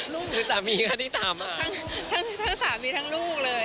หรือสามีคะที่ตามมาทั้งสามีทั้งลูกเลย